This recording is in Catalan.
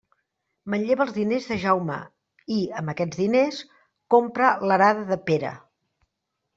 Manlleva els diners de Jaume i, amb aquests diners, compra l'arada de Pere.